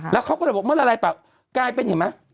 แล้วเขาก็เลยบอกมันอะไรแบบใกล้เป็นเห็นไหม